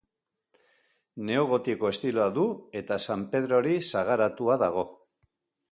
Neogotiko estiloa du eta San Pedrori sagaratua dago.